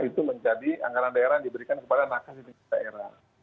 itu menjadi anggaran daerah yang diberikan kepada nakas di tingkat daerah